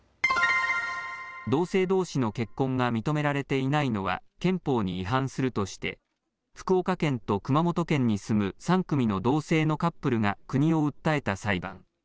同性どうしの結婚が認められていないのは憲法に違反するとして福岡県と熊本県に住む３組の同性のカップルが国を訴えた裁判。